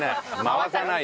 回さない。